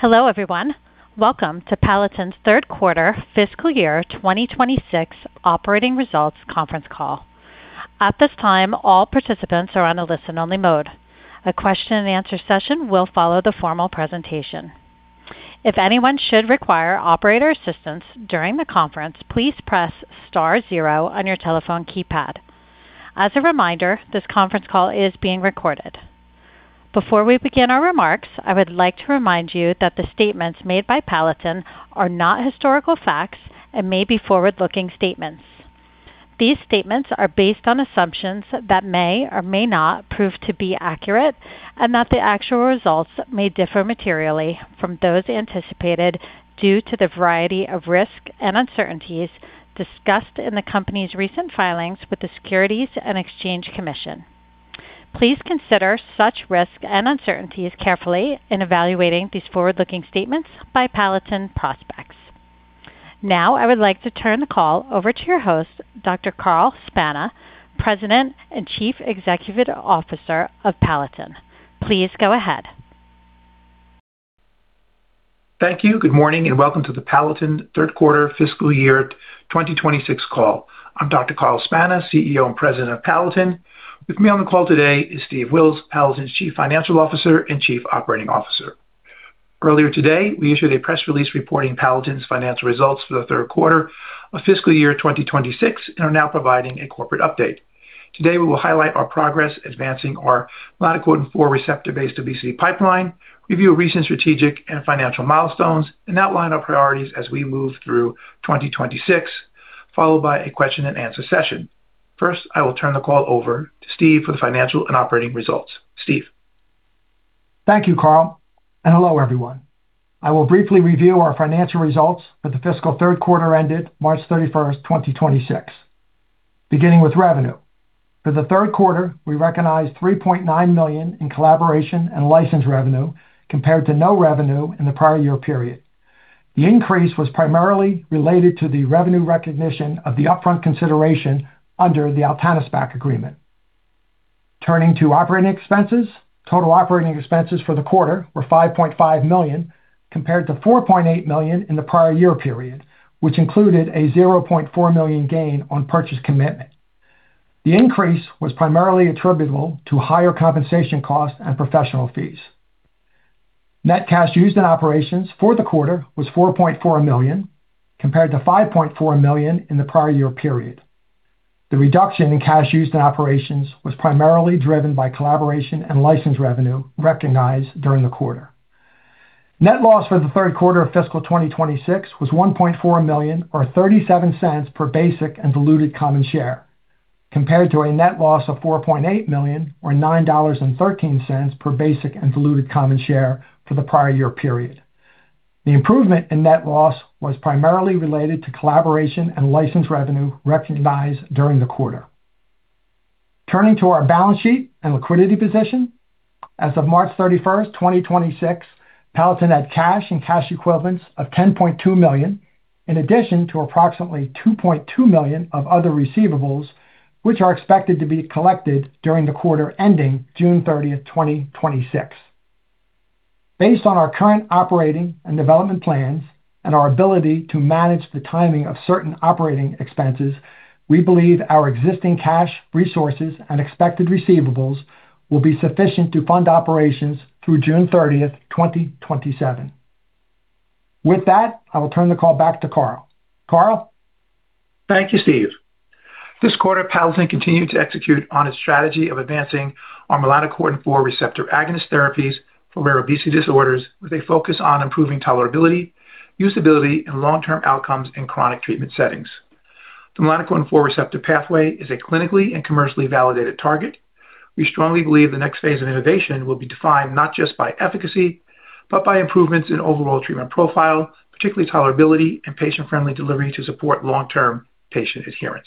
Hello, everyone. Welcome to Palatin's third quarter fiscal year 2026 operating results conference call. At this time, all participants are on a listen-only mode. A question and answer session will follow the formal presentation. If anyone should require operator assistance during the conference, please press star zero on your telephone keypad. As a reminder, this conference call is being recorded. Before we begin our remarks, I would like to remind you that the statements made by Palatin are not historical facts and may be forward-looking statements. These statements are based on assumptions that may or may not prove to be accurate and that the actual results may differ materially from those anticipated due to the variety of risks and uncertainties discussed in the company's recent filings with the Securities and Exchange Commission. Please consider such risks and uncertainties carefully in evaluating these forward-looking statements by Palatin prospects. Now, I would like to turn the call over to your host, Dr. Carl Spana, President and Chief Executive Officer of Palatin. Please go ahead. Thank you. Good morning. Welcome to the Palatin third quarter fiscal year 2026 call. I'm Dr. Carl Spana, CEO and President of Palatin. With me on the call today is Stephen Wills, Palatin's Chief Financial Officer and Chief Operating Officer. Earlier today, we issued a press release reporting Palatin's financial results for the third quarter of fiscal year 2026 and are now providing a corporate update. Today, we will highlight our progress advancing our melanocortin-4 receptor-based obesity pipeline, review recent strategic and financial milestones, and outline our priorities as we move through 2026, followed by a question-and-answer session. First, I will turn the call over to Stephen for the financial and operating results. Stephen. Thank you, Carl, and hello, everyone. I will briefly review our financial results for the fiscal third quarter ended March 31st, 2026. Beginning with revenue. For the third quarter, we recognized $3.9 million in collaboration and license revenue compared to no revenue in the prior year period. The increase was primarily related to the revenue recognition of the upfront consideration under the Altanispac agreement. Turning to operating expenses. Total operating expenses for the quarter were $5.5 million compared to $4.8 million in the prior year period, which included a $0.4 million gain on purchase commitment. The increase was primarily attributable to higher compensation costs and professional fees. Net cash used in operations for the quarter was $4.4 million, compared to $5.4 million in the prior year period. The reduction in cash used in operations was primarily driven by collaboration and license revenue recognized during the quarter. Net loss for the third quarter of fiscal 2026 was $1.4 million or $0.37 per basic and diluted common share, compared to a net loss of $4.8 million or $9.13 per basic and diluted common share for the prior year period. The improvement in net loss was primarily related to collaboration and license revenue recognized during the quarter. Turning to our balance sheet and liquidity position. As of March 31st, 2026, Palatin had cash and cash equivalents of $10.2 million, in addition to approximately $2.2 million of other receivables, which are expected to be collected during the quarter ending June 30th, 2026. Based on our current operating and development plans and our ability to manage the timing of certain operating expenses, we believe our existing cash resources and expected receivables will be sufficient to fund operations through June 30th, 2027. With that, I will turn the call back to Carl. Carl. Thank you, Steph. This quarter, Palatin continued to execute on its strategy of advancing our melanocortin-4 receptor agonist therapies for rare obesity disorders with a focus on improving tolerability, usability, and long-term outcomes in chronic treatment settings. The melanocortin-4 receptor pathway is a clinically and commercially validated target. We strongly believe the next phase of innovation will be defined not just by efficacy, but by improvements in overall treatment profile, particularly tolerability and patient-friendly delivery to support long-term patient adherence.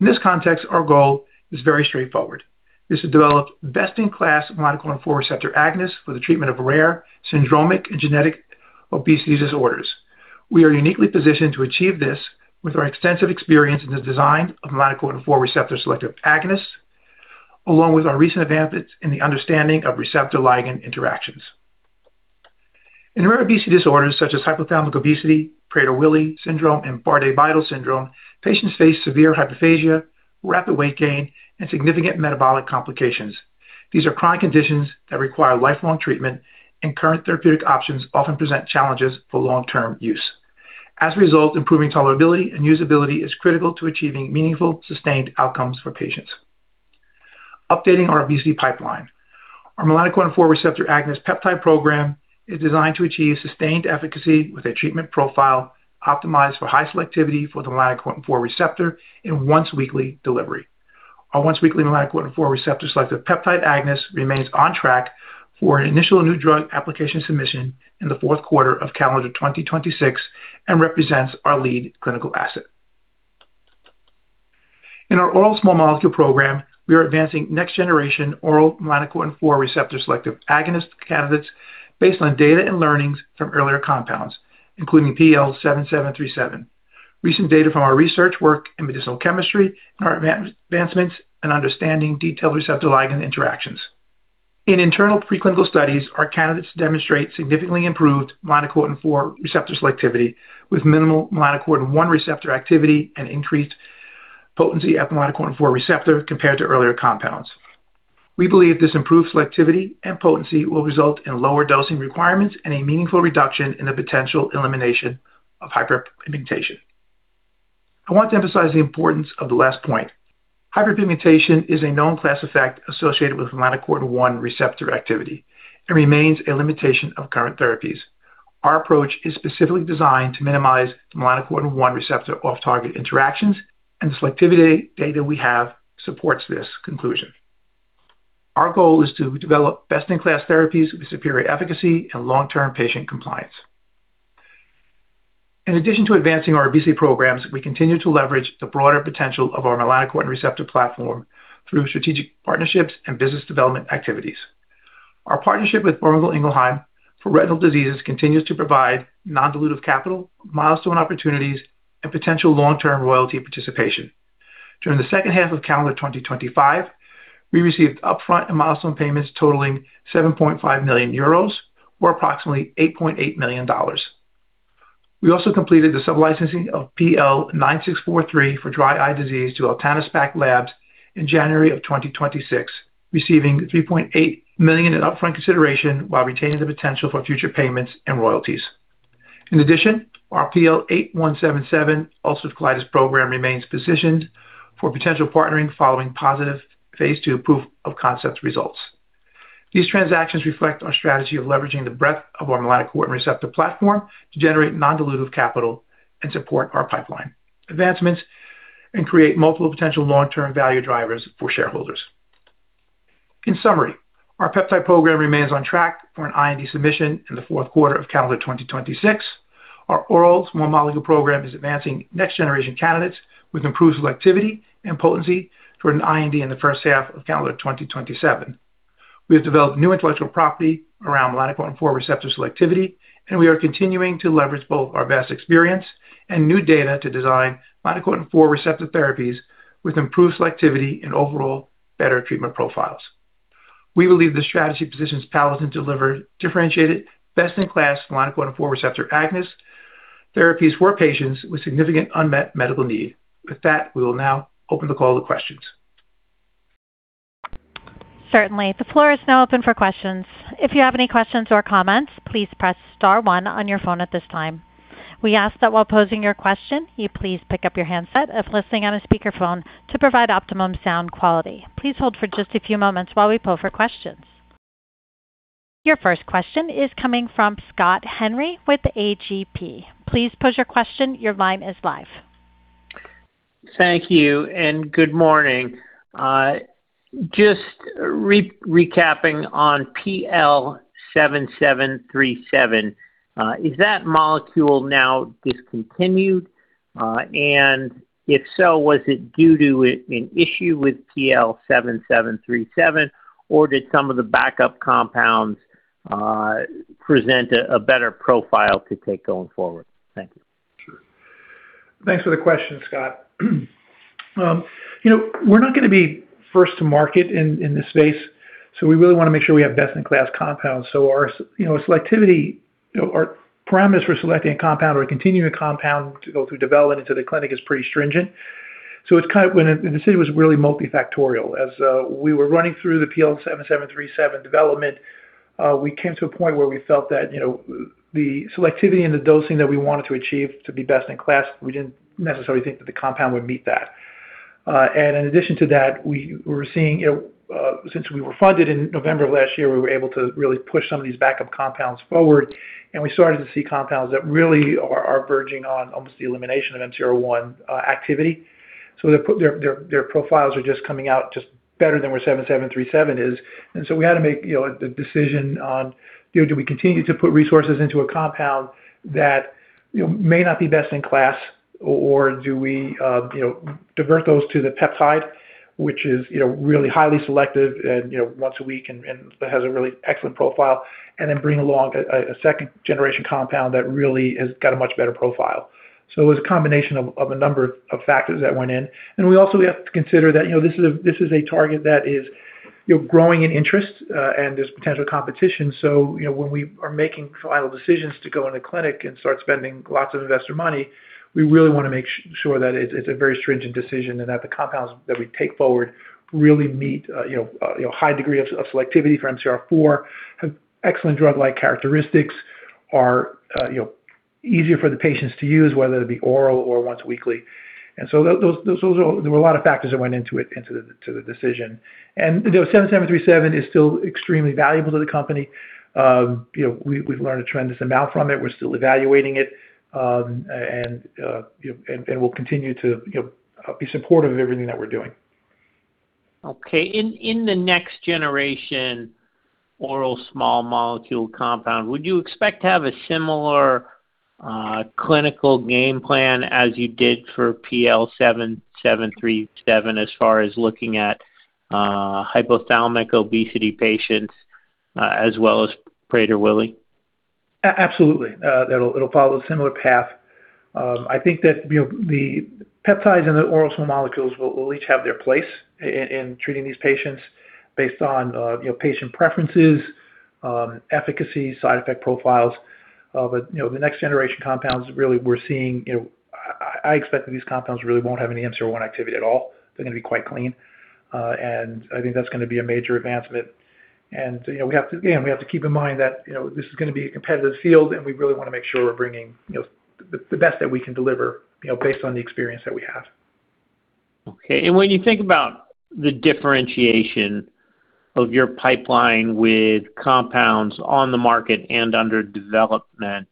In this context, our goal is very straightforward, is to develop best-in-class melanocortin-4 receptor agonists for the treatment of rare syndromic and genetic obesity disorders. We are uniquely positioned to achieve this with our extensive experience in the design of melanocortin-4 receptor selective agonists, along with our recent advances in the understanding of receptor ligand interactions. In rare obesity disorders such as hypothalamic obesity, Prader-Willi syndrome, and Bardet-Biedl syndrome, patients face severe hyperphagia, rapid weight gain, and significant metabolic complications. These are chronic conditions that require lifelong treatment, and current therapeutic options often present challenges for long-term use. As a result, improving tolerability and usability is critical to achieving meaningful, sustained outcomes for patients. Updating our obesity pipeline. Our melanocortin-4 receptor agonist peptide program is designed to achieve sustained efficacy with a treatment profile optimized for high selectivity for the melanocortin-4 receptor in once-weekly delivery. Our once-weekly melanocortin-4 receptor selective peptide agonist remains on track for an initial new drug application submission in the fourth quarter of calendar 2026 and represents our lead clinical asset. In our oral small molecule program, we are advancing next-generation oral melanocortin-4 receptor selective agonist candidates based on data and learnings from earlier compounds, including PL7737. Recent data from our research work in medicinal chemistry and our advancements in understanding detailed receptor ligand interactions in internal preclinical studies, our candidates demonstrate significantly improved melanocortin-4 receptor selectivity with minimal melanocortin 1 receptor activity and increased potency at melanocortin-4 receptor compared to earlier compounds. We believe this improved selectivity and potency will result in lower dosing requirements and a meaningful reduction in the potential elimination of hyperpigmentation. I want to emphasize the importance of the last point. Hyperpigmentation is a known class effect associated with melanocortin 1 receptor activity and remains a limitation of current therapies. Our approach is specifically designed to minimize melanocortin 1 receptor off target interactions and selectivity data we have supports this conclusion. Our goal is to develop best-in-class therapies with superior efficacy and long-term patient compliance. In addition to advancing our obesity programs, we continue to leverage the broader potential of our melanocortin receptor platform through strategic partnerships and business development activities. Our partnership with Boehringer Ingelheim for retinal diseases continues to provide non-dilutive capital, milestone opportunities, and potential long-term royalty participation. During the second half of calendar 2025, we received upfront and milestone payments totaling 7.5 million euros, or approximately $8.8 million. We also completed the sub-licensing of PL9643 for dry eye disease to Altanispac Labs in January of 2026, receiving $3.8 million in upfront consideration while retaining the potential for future payments and royalties. In addition, our PL8177 ulcerative colitis program remains positioned for potential partnering following positive phase II proof of concept results. These transactions reflect our strategy of leveraging the breadth of our melanocortin receptor platform to generate non-dilutive capital and support our pipeline advancements and create multiple potential long-term value drivers for shareholders. In summary, our peptide program remains on track for an IND submission in the fourth quarter of calendar 2026. Our oral small molecule program is advancing next generation candidates with improved selectivity and potency toward an IND in the first half of calendar 2027. We have developed new intellectual property around melanocortin-4 receptor selectivity, and we are continuing to leverage both our vast experience and new data to design melanocortin-4 receptor therapies with improved selectivity and overall better treatment profiles. We believe this strategy positions Palatin to deliver differentiated best-in-class melanocortin-4 receptor agonist therapies for patients with significant unmet medical need. With that, we will now open the call to questions. Certainly. The floor is now open for questions. If you have any questions or comments, please press star one on your phone at this time. We ask that while posing your question, you please pick up your handset if listening on a speakerphone to provide optimum sound quality. Please hold for just a few moments while we poll for questions. Your first question is coming from Scott Henry with AGP. Please pose your question, your line is live. Thank you and good morning. Just re-recapping on PL7737. Is that molecule now discontinued? If so, was it due to an issue with PL7737, or did some of the backup compounds present a better profile to take going forward? Thank you. Sure. Thanks for the question, Scott. You know, we're not gonna be first to market in this space, we really wanna make sure we have best-in-class compounds. Our, you know, selectivity, you know, our parameters for selecting a compound or continuing a compound to go through development into the clinic is pretty stringent. The decision was really multifactorial. As we were running through the PL7737 development, we came to a point where we felt that, you know, the selectivity and the dosing that we wanted to achieve to be best-in-class, we didn't necessarily think that the compound would meet that. In addition to that, we were seeing, you know, since we were funded in November of last year, we were able to really push some of these backup compounds forward, and we started to see compounds that really are verging on almost the elimination of MC1R one activity. Their profiles are just coming out just better than where PL7737 is. We had to make, you know, a decision on, you know, do we continue to put resources into a compound that, you know, may not be best in class? Do we, you know, divert those to the peptide, which is, you know, really highly selective and, you know, once a week and has a really excellent profile, and then bring along a second generation compound that really has got a much better profile. It was a combination of a number of factors that went in. We also, we have to consider that, you know, this is a, this is a target that is, you know, growing in interest and there's potential competition. You know, when we are making final decisions to go in the clinic and start spending lots of investor money, we really wanna make sure that it's a very stringent decision and that the compounds that we take forward really meet, you know, high degree of selectivity for MC4R, have excellent drug-like characteristics, are, you know, easier for the patients to use, whether it be oral or once weekly. Those are all, there were a lot of factors that went into it, to the decision. You know, PL7737 is still extremely valuable to the company. You know, we've learned a tremendous amount from it. We're still evaluating it. And, you know, we'll continue to, you know, be supportive of everything that we're doing. Okay. In the next generation oral small molecule compound, would you expect to have a similar clinical game plan as you did for PL7737 as far as looking at hypothalamic obesity patients, as well as Prader-Willi? Absolutely. It'll follow a similar path. I think that, you know, the peptides and the oral small molecules will each have their place in treating these patients based on, you know, patient preferences, efficacy, side effect profiles. You know, the next generation compounds, really we're seeing, you know, I expect that these compounds really won't have any MC1R activity at all. They're gonna be quite clean. I think that's gonna be a major advancement. You know, we have to again, we have to keep in mind that, you know, this is gonna be a competitive field, and we really wanna make sure we're bringing, you know, the best that we can deliver, you know, based on the experience that we have. Okay. When you think about the differentiation of your pipeline with compounds on the market and under development,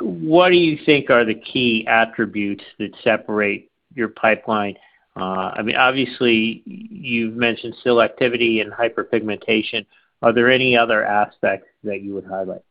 what do you think are the key attributes that separate your pipeline? I mean, obviously, you've mentioned selectivity and hyperpigmentation. Are there any other aspects that you would highlight?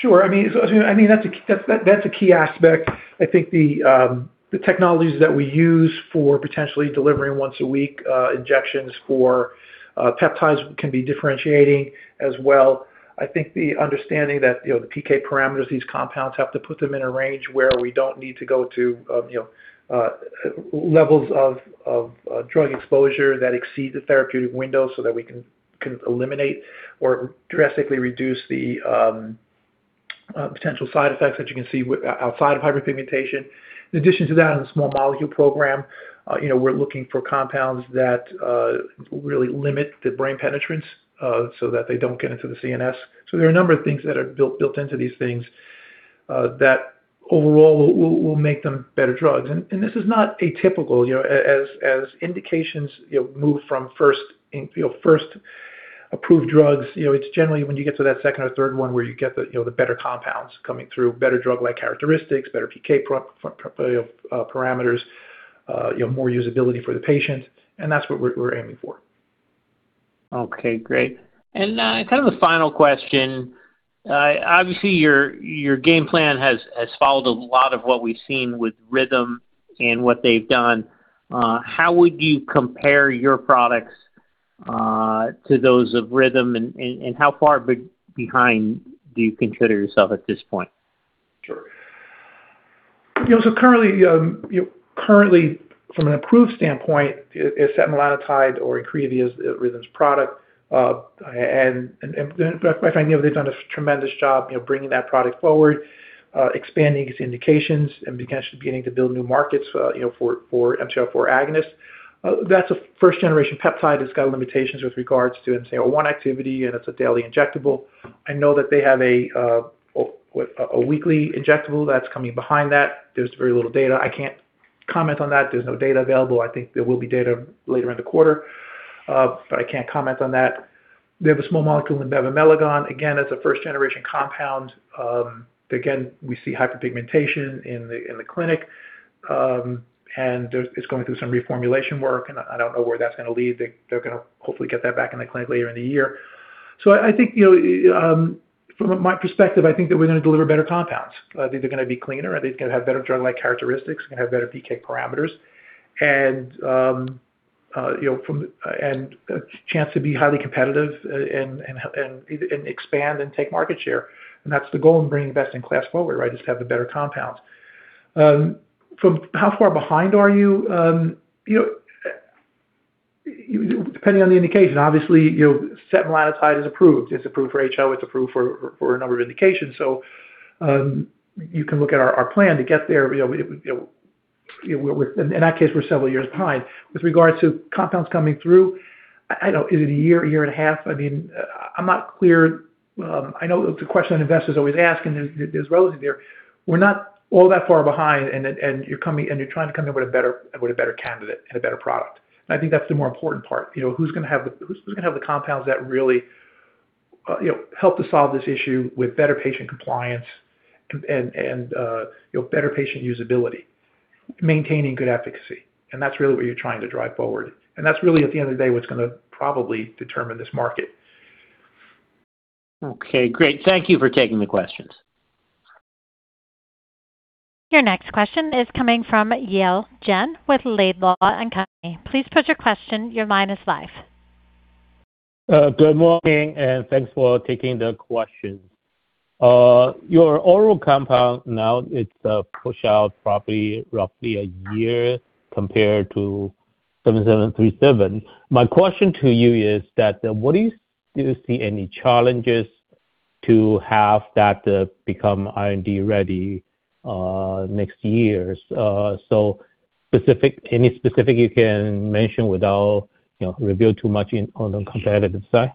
Sure. That's a key aspect. I think the technologies that we use for potentially delivering once-a-week injections for peptides can be differentiating as well. I think the understanding that, you know, the PK parameters, these compounds have to put them in a range where we don't need to go to, you know, levels of drug exposure that exceed the therapeutic window so that we can eliminate or drastically reduce the potential side effects that you can see outside of hyperpigmentation. In addition to that, in the small molecule program, you know, we're looking for compounds that really limit the brain penetrance so that they don't get into the CNS. There are a number of things that are built into these things that overall will make them better drugs. This is not atypical. You know, as indications, you know, move from first approved drugs, you know, it's generally when you get to that second or third one where you get the better compounds coming through, better drug-like characteristics, better PK parameters, you know, more usability for the patient, and that's what we're aiming for. Okay, great. Kind of a final question. Obviously, your game plan has followed a lot of what we've seen with Rhythm and what they've done. How would you compare your products to those of Rhythm, and how far behind do you consider yourself at this point? Sure. You know, currently, you know, currently from an approved standpoint, setmelanotide or IMCIVREE, Rhythm Pharmaceuticals' product, and I find, you know, they've done a tremendous job, you know, bringing that product forward, expanding its indications and actually beginning to build new markets, you know, for MC4R agonists. That's a first-generation peptide that's got limitations with regards to MC1R activity, and it's a daily injectable. I know that they have a weekly injectable that's coming behind that. There's very little data. I can't comment on that. There's no data available. I think there will be data later in the quarter, but I can't comment on that. They have a small molecule in bremelanotide. Again, it's a first-generation compound. Again, we see hyperpigmentation in the clinic. It's going through some reformulation work, and I don't know where that's gonna lead. They, they're gonna hopefully get that back in the clinic later in the year. I think, you know, from my perspective, I think that we're gonna deliver better compounds. I think they're gonna be cleaner. I think they're gonna have better drug-like characteristics and have better PK parameters. You know, and a chance to be highly competitive, and expand and take market share. That's the goal in bringing best in class forward, right, is to have the better compounds. From how far behind are you? You know, you, depending on the indication. Obviously, you know, setmelanotide is approved. It's approved for HO. It's approved for a number of indications. You can look at our plan to get there. You know, in that case, we're several years behind. With regards to compounds coming through, I don't Is it a year, a year and a half? I mean, I'm not clear. I know it's a question that investors always ask, and it is relative there. We're not all that far behind, and you're coming, and you're trying to come in with a better candidate and a better product. I think that's the more important part. You know, who's gonna have the compounds that really, you know, help to solve this issue with better patient compliance and, you know, better patient usability, maintaining good efficacy. That's really what you're trying to drive forward. That's really, at the end of the day, what's gonna probably determine this market. Okay, great. Thank you for taking the questions. Your next question is coming from Yale Jen with Laidlaw & Company. Please put your question. Your line is live. Good morning. Thanks for taking the question. Your oral compound now it's pushed out probably roughly a year compared to PL7737. My question to you is that, do you see any challenges to have that become R&D ready next year? Any specific you can mention without, you know, reveal too much in on the competitive side?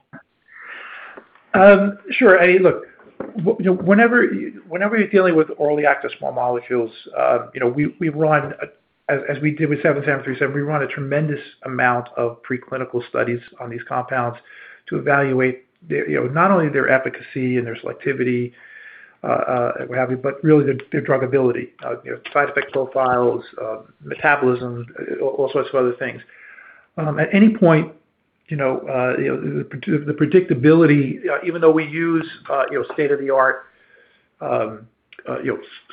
Sure, look, you know, whenever you're dealing with orally active small molecules, you know, we run, as we did with PL7737, a tremendous amount of preclinical studies on these compounds to evaluate their, you know, not only their efficacy and their selectivity, and what have you, but really their drug ability, you know, side effect profiles, metabolism, all sorts of other things. At any point, you know, you know, the predictability, even though we use, you know, state-of-the-art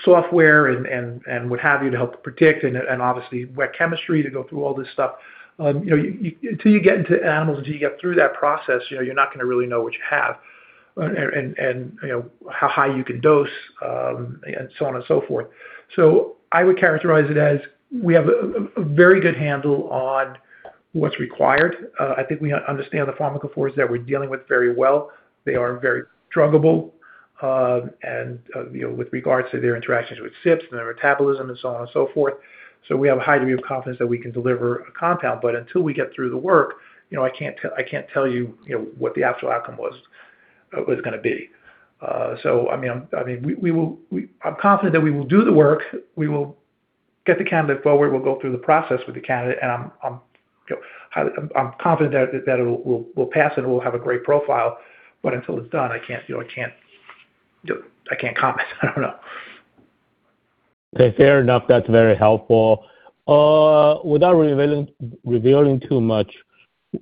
software and what have you to help predict and obviously wet chemistry to go through all this stuff. ] You know, until you get into animals, until you get through that process, you know, you're not gonna really know what you have. And, you know, how high you can dose, and so on and so forth. I would characterize it as we have a very good handle on what's required. I think we understand the pharmacophores that we're dealing with very well. They are very druggable, and, you know, with regards to their interactions with CYPs and their metabolism and so on and so forth. We have a high degree of confidence that we can deliver a compound. Until we get through the work, you know, I can't tell you know, what the actual outcome was gonna be. I mean, I mean, we will, I'm confident that we will do the work. We will get the candidate forward. We'll go through the process with the candidate. I'm, you know, highly confident that it will pass and we'll have a great profile. Until it's done, I can't, you know, I can't comment. I don't know. Okay. Fair enough. That's very helpful. Without revealing too much,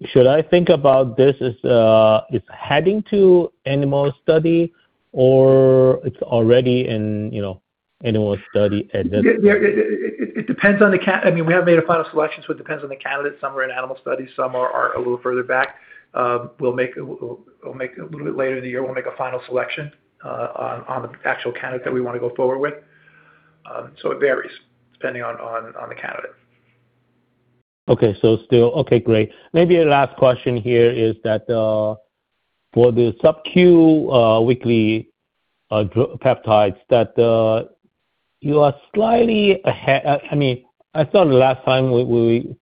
should I think about this as it's heading to animal study or it's already in, you know, animal study and then- It depends on the can, I mean, we haven't made a final selection, so it depends on the candidate. Some are in animal studies, some are a little further back. We'll make a little bit later in the year, we'll make a final selection on the actual candidate that we wanna go forward with. It varies depending on the candidate. Still. Okay, great. Maybe a last question here is that, for the sub Q, weekly, peptides that, you are slightly ahead. I mean, I saw the last time we,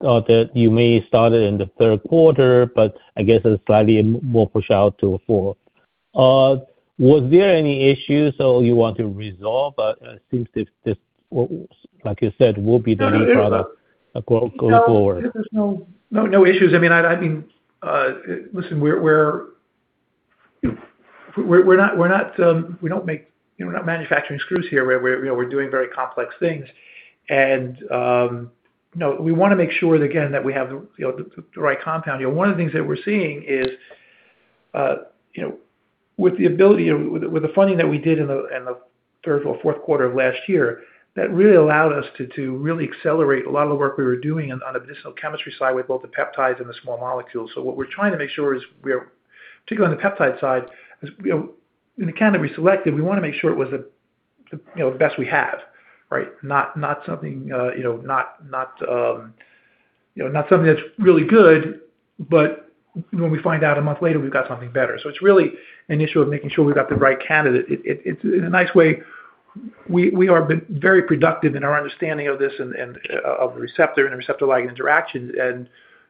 that you may start it in the third quarter, but I guess it's slightly more pushed out to a fourth. Was there any issues or you want to resolve? Since this will, like you said, will be the end product. No, there's. going forward. No, there's no issues. I mean, listen, we're, you know, we're not manufacturing screws here. We're, you know, we're doing very complex things. You know, we wanna make sure that, again, that we have the, you know, the right compound. You know, one of the things that we're seeing is, you know, with the funding that we did in the third or fourth quarter of last year, that really allowed us to really accelerate a lot of the work we were doing on the medicinal chemistry side with both the peptides and the small molecules. What we're trying to make sure is we are, particularly on the peptide side, you know, in the candidate we selected, we wanna make sure it was the, you know, the best we have, right? Not something, you know, not, you know, not something that's really good, but when we find out a month later, we've got something better. It's really an issue of making sure we've got the right candidate. In a nice way, we are very productive in our understanding of this and of the receptor and the receptor ligand interactions.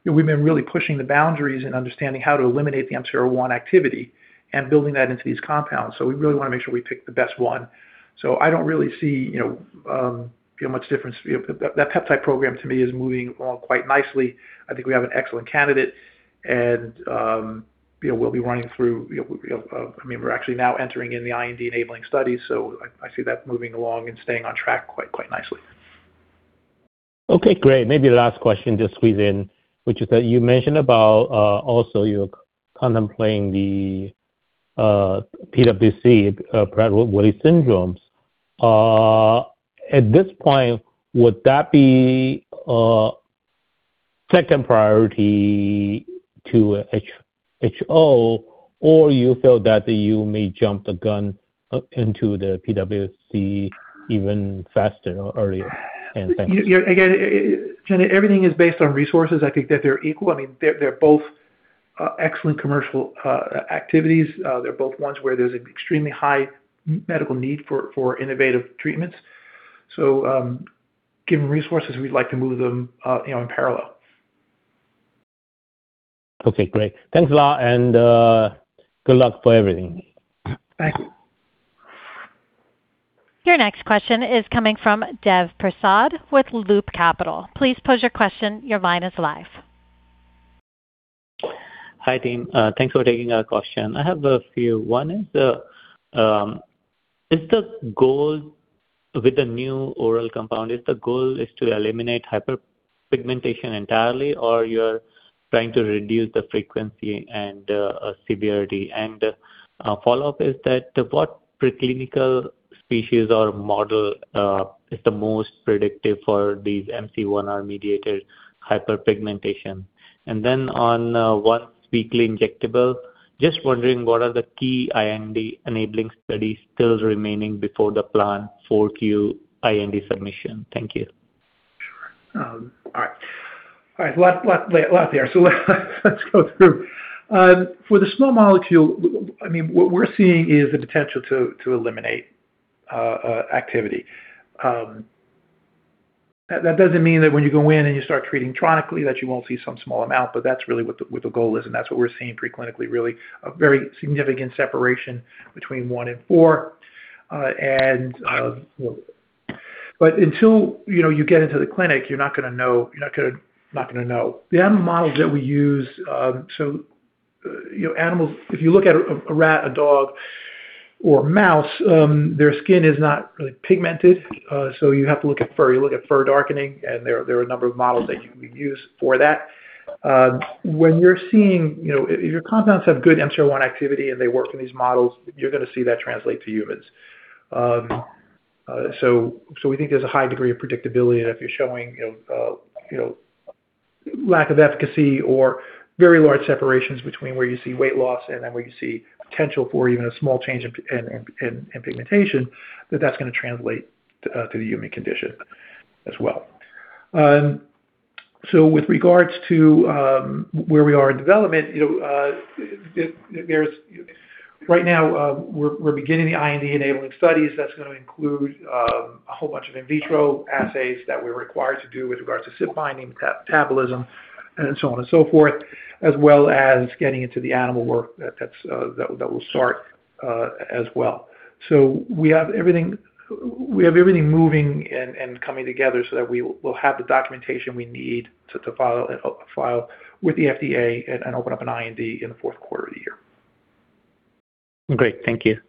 You know, we've been really pushing the boundaries in understanding how to eliminate the MC1R activity and building that into these compounds. We really wanna make sure we pick the best one. I don't really see, you know, much difference. That peptide program to me is moving along quite nicely. I think we have an excellent candidate and, you know, we'll be running through, I mean, we're actually now entering in the IND-enabling studies. I see that moving along and staying on track quite nicely. Okay, great. Maybe the last question, just squeeze in, which is that you mentioned about, also you're contemplating the PWS, Prader-Willi syndrome. At this point, would that be second priority to HO, or you feel that you may jump the gun into the PWS even faster or earlier? Thank you. You Yale Jen, everything is based on resources. I think that they're equal. I mean, they're both excellent commercial activities. They're both ones where there's an extremely high medical need for innovative treatments. Given resources, we'd like to move them, you know, in parallel. Okay, great. Thanks a lot and good luck for everything. Thank you. Your next question is coming from Dev Prasad with Loop Capital. Please pose your question. Your line is live. Hi, team. Thanks for taking our question. I have a few. One is the goal with the new oral compound, is the goal is to eliminate hyperpigmentation entirely, or you're trying to reduce the frequency and severity? A follow-up is that what preclinical species or model is the most predictive for these MC1R-mediated hyperpigmentation? Then on once weekly injectable, just wondering what are the key IND-enabling studies still remaining before the planned 4Q IND submission? Thank you. Sure. All right. A lot there. Let's go through. For the small molecule, I mean, what we're seeing is the potential to eliminate activity. That doesn't mean that when you go in and you start treating chronically that you won't see some small amount, but that's really what the goal is, and that's what we're seeing preclinically, really. A very significant separation between one and four. You know, until, you know, you get into the clinic, you're not gonna know. You're not gonna know. The animal models that we use, you know, animals, if you look at a rat, a dog, or a mouse, their skin is not really pigmented. You have to look at fur. You look at fur darkening, and there are a number of models that we use for that. When you're seeing, you know, if your compounds have good MC1R activity and they work in these models, you're gonna see that translate to humans. We think there's a high degree of predictability that if you're showing, you know, lack of efficacy or very large separations between where you see weight loss and then where you see potential for even a small change in pigmentation, that that's gonna translate to the human condition as well. With regards to where we are in development, you know, there's Right now, we're beginning the IND-enabling studies. That's gonna include a whole bunch of in vitro assays that we're required to do with regards to CYP binding, metabolism, and so on and so forth, as well as getting into the animal work that will start as well. We have everything, we have everything moving and coming together so that we'll have the documentation we need to file with the FDA and open up an IND in the fourth quarter of the year. Great. Thank you.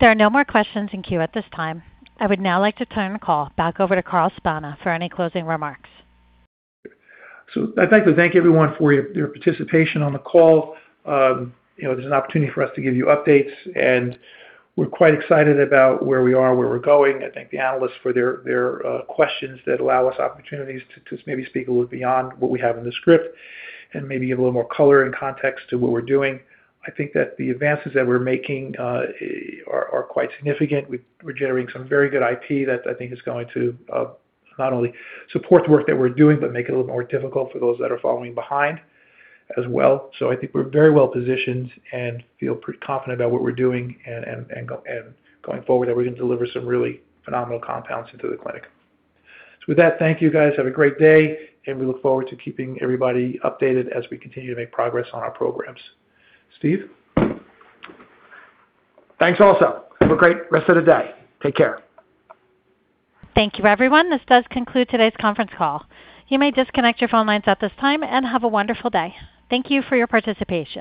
There are no more questions in queue at this time. I would now like to turn the call back over to Carl Spana for any closing remarks. I'd like to thank everyone for your participation on the call. You know, there's an opportunity for us to give you updates, and we're quite excited about where we are, where we're going. I thank the analysts for their questions that allow us opportunities to speak a little beyond what we have in the script and maybe give a little more color and context to what we're doing. I think that the advances that we're making are quite significant. We're generating some very good IP that I think is going to not only support the work that we're doing but make it a little more difficult for those that are following behind as well. I think we're very well-positioned and feel pretty confident about what we're doing and going forward, that we're gonna deliver some really phenomenal compounds into the clinic. With that, thank you guys. Have a great day, and we look forward to keeping everybody updated as we continue to make progress on our programs. Steph? Thanks also. Have a great rest of the day. Take care. Thank you, everyone. This does conclude today's conference call. You may disconnect your phone lines at this time, and have a wonderful day. Thank you for your participation.